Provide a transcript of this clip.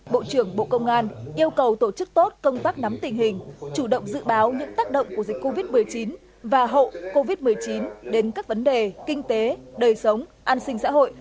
bộ trưởng bộ công an yêu cầu tổ chức tốt công tác nắm tình hình chủ động dự báo những tác động của dịch covid một mươi chín và hậu covid một mươi chín đến các vấn đề kinh tế đời sống an sinh xã hội